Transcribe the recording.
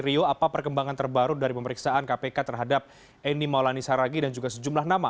rio apa perkembangan terbaru dari pemeriksaan kpk terhadap eni maulani saragi dan juga sejumlah nama